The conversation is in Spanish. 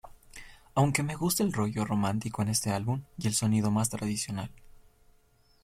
Aunque me gusta el rollo romántico en este álbum y el sonido más tradicional.